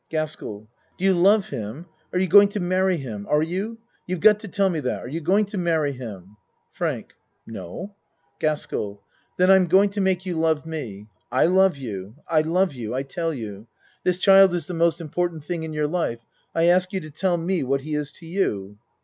GASKELL Do you love him? Are you going to marry him? Are you? You've got to tell me that. Are you going to marry him? FRANK No. GASKELL Then I'm going to make you love me. I love you. I love you I tell you. This child is the most important thing in your life. I ask you to tell me what he is to you.